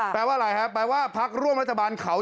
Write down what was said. แปลว่าอะไรครับแปลว่าพักร่วมรัฐบาลเขา